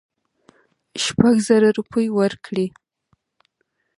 شپږزره روپۍ ورکړې.